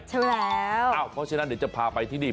เพราะฉะนั้นเดี๋ยวจะพาไปที่นี่